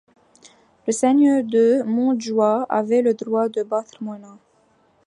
Le seigneur de Montjoie avait le droit de battre monnaie.